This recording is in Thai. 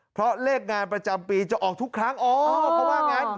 เพราะเลขงานประจำปีจะออกทุกครั้งอ๋อเขาว่างั้น